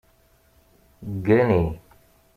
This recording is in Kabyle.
Ggani!